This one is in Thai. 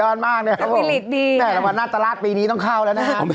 แหละว่าหน้าตลาดปีนี้ต้องเข้าแล้วนะครับ